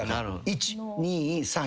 １２３４。